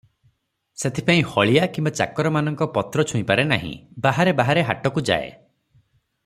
ସେଥିପାଇଁ ହଳିଆ କିମ୍ବା ଚାକରମାନଙ୍କ ପତ୍ର ଛୁଇଁପାରେ ନାହିଁ, ବାହାରେ ବାହାରେ ହାଟକୁଯାଏ ।